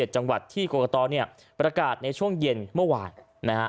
จังหวัดที่กรกตเนี่ยประกาศในช่วงเย็นเมื่อวานนะฮะ